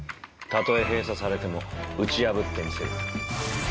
たとえ閉鎖されても打ち破ってみせる。